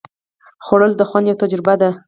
خوړل د خوند یوه تجربه ده